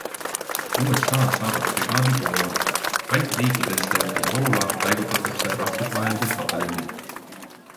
USA saadab brigaadi Poola, Balti riikidesse ja Poola paigutatakse rahvusvahelised pataljonid.